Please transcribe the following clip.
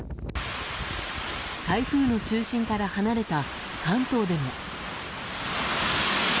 台風の中心から離れた関東でも。